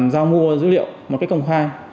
giao mua dữ liệu một cách công khai